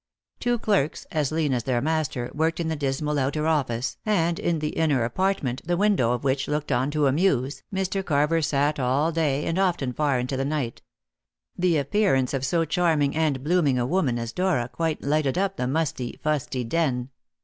Two clerks, as lean as their master, worked in the dismal outer office, and in the inner apartment, the window of which looked on to a mews, Mr. Carver sat all day, and often far into the night. The appearance of so charming and blooming a woman as Dora quite lighted up the musty, fusty den.